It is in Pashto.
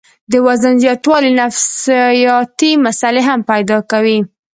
د وزن زياتوالے نفسياتي مسئلې هم پېدا کوي